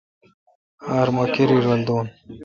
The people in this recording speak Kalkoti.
آں ۔۔۔مہ کیرای رل دون